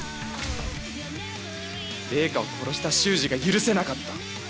玲香を殺した秀司が許せなかった。